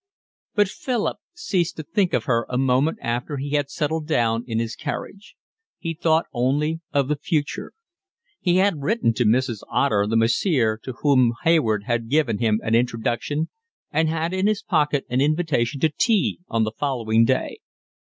But Philip ceased to think of her a moment after he had settled down in his carriage. He thought only of the future. He had written to Mrs. Otter, the massiere to whom Hayward had given him an introduction, and had in his pocket an invitation to tea on the following day.